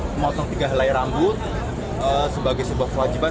memotong tiga helai rambut sebagai sebuah kewajiban